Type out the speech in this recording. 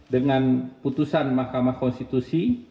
dengan putusan mahkamah konstitusi